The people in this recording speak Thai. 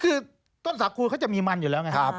คือต้นสาคูเขาจะมีมันอยู่แล้วไง